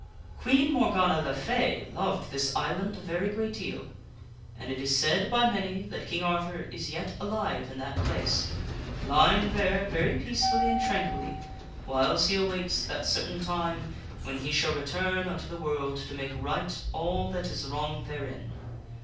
Queen Morgana le Fay loved this island a very great deal, and it is said by many that King Arthur is yet alive in that place, lying there very peacefully and tranquilly whiles he awaits that certain time when he shall return unto the world to make right all that is wrong therein.